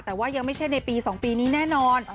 แต่ว่ายังไม่ใช่ในปี๒ปีนี้แน่นอน